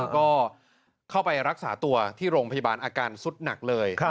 ก็เข้าไปรักษาตัวที่โรงพยาบาลอาการสุดหนักเลย